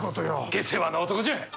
下世話な男じゃ。